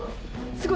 すごい！